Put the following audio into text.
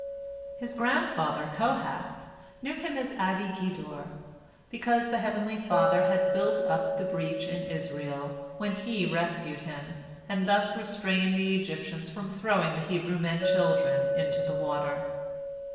His grandfather Kohath knew him as Abi Gedor, because the Heavenly Father had "built up" the breach in Israel, when He rescued him, and thus restrained the Egyptians from throwing the Hebrew men children into the water.